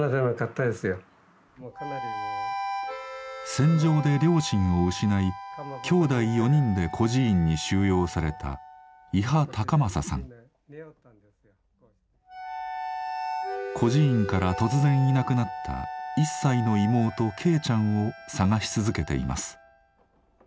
戦場で両親を失いきょうだい４人で孤児院に収容された孤児院から突然いなくなった１歳の妹恵ちゃんを捜し続けています。